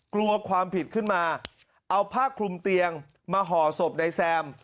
กลัวความผิดขึ้นมาเอาผ้าคลุมเตียงมาห่อศพนายแซม